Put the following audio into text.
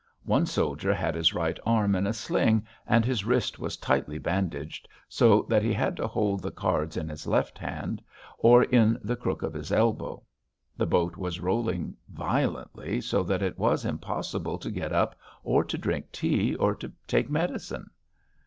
One soldier had his right arm in a sling and his wrist was tightly bandaged so that he had to hold the cards in his left hand or in the crook of his elbow. The boat was rolling violently so that it was impossible to get up or to drink tea or to take medicine.